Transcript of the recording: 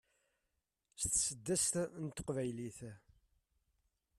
s tseddast n teqbaylit